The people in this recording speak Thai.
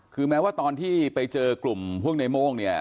คือแม้ว่าตอนที่ไปเจอกลุ่มพวกในโม่งเนี่ย